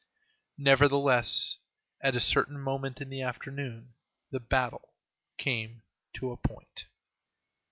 Nevertheless, at a certain moment in the afternoon the battle came to a point.